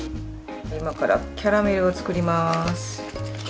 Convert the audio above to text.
今からキャラメルを作ります。